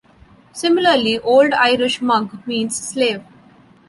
Similarly Old Irish mug means slave.